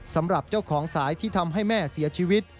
สำหรับเจ้าของสายที่ทำให้แม่เสียชีวิต